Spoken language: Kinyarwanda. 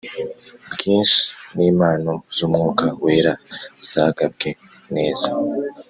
bwinshi n impano z Umwuka Wera zagabwe neza